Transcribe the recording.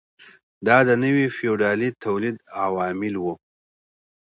دا د نوي فیوډالي تولید عوامل وو.